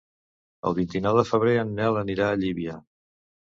El vint-i-nou de febrer en Nel anirà a Llívia.